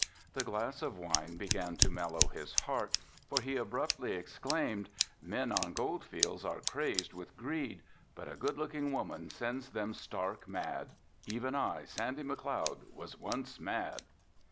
The glass of wine began to mellow his heart, for he abruptly exclaimed, "Men on gold fields are crazed with greed, but a good looking woman sends them stark mad. Even I, Sandy McLeod, was once mad."